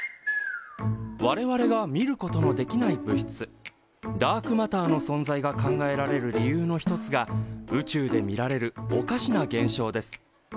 我々が見ることのできない物質ダークマターの存在が考えられる理由の一つが宇宙で見られるおかしな現象です。